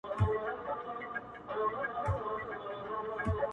زموږه مرديت لکه عادت له مينې ژاړي,